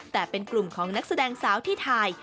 แต่เป็นกลุ่มของนักแสดงสาวที่ถ่าย